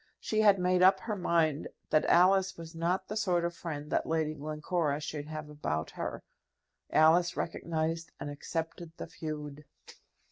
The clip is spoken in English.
She had made up her mind that Alice was not the sort of friend that Lady Glencora should have about her. Alice recognized and accepted the feud.